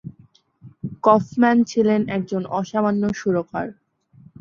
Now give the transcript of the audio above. Kaufman ছিলেন একজন অসামান্য সুরকার।